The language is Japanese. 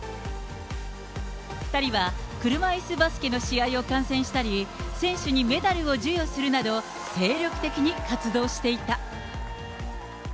２人は車いすバスケの試合を観戦したり、選手にメダルを授与するなど、精力的に活動していた。